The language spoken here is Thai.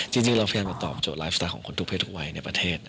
จริงเราพยายามจะตอบโจทไลฟ์สไตล์ของคนทุกเพศทุกวัยในประเทศ